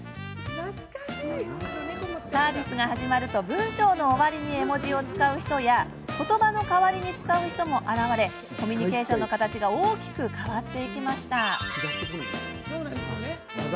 サービスが始まると文章の終わりに絵文字を使う人やことばの代わりに使う人も現れコミュニケーションの形が大きく変わっていきました。